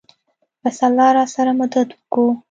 بس الله راسره مدد وکو.